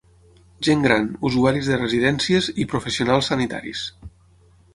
Gent gran, usuaris de residències i professionals sanitaris.